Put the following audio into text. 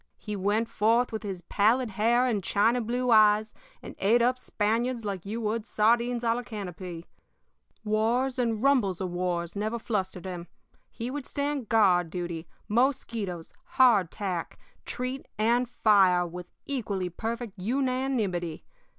He went forth with his pallid hair and china blue eyes and ate up Spaniards like you would sardines à la canopy. Wars and rumbles of wars never flustered him. He would stand guard duty, mosquitoes, hardtack, treat, and fire with equally perfect unanimity.